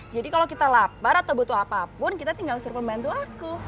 jadi kalau kita lapar atau butuh apapun kita tinggal suruh pembantu aku